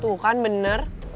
tuh kan bener